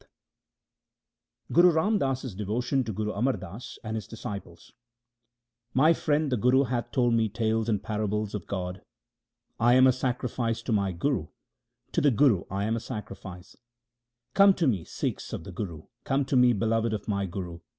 HYMNS OF GURU RAM DAS 329 Guru Ram Das's devotion to Guru Amar Das and his disciples :— My friend the Guru hath told me tales and parables of God. I am a sacrifice to my Guru ; to the Guru I am a sacrifice. Come to me, Sikhs of the Guru ; come to me, beloved of my Guru.